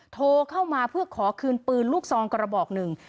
โทรเข้ามาเพื่อขอคืนปืนลูกซองกระบอกหนึ่ง